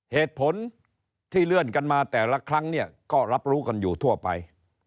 เหตุผลที่เลื่อนกันมาแต่ละครั้งเนี่ยก็รับรู้กันอยู่ทั่วไป